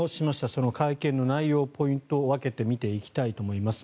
その会見の内容ポイントを分けて見ていきたいと思います。